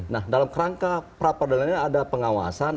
nah dalam kerangka pra peradilan ini ada pengawasan